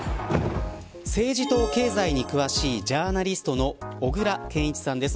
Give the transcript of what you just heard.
政治と経済に詳しいジャーナリストの小倉健一さんです。